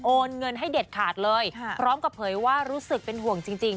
เงินให้เด็ดขาดเลยพร้อมกับเผยว่ารู้สึกเป็นห่วงจริง